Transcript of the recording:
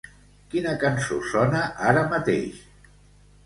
Quina cançó sona ara mateix?